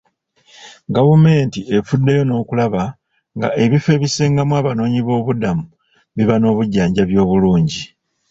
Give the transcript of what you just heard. Gavumenti efuddeyo n'okulaba nga ebifo ebisengamu abanoonyiboobubudamu biba n'obujjanjabi obulungi.